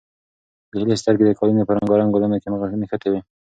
د هیلې سترګې د قالینې په رنګارنګ ګلانو کې نښتې وې.